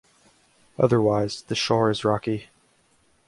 Otherwise, the shore is rocky.